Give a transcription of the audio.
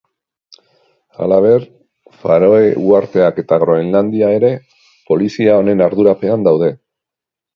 Halaber, Faroe Uharteak eta Groenlandia ere polizia honen ardurapean daude.